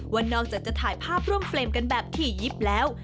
วันนอกจะถ่ายภาพร่มเฟรมกันแบบที่ยิปแล้ว